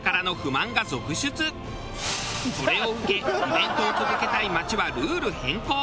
これを受けイベントを続けたい町はルール変更。